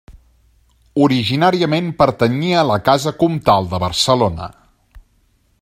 Originàriament pertanyia a la Casa Comtal de Barcelona.